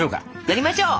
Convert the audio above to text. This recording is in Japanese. やりましょう！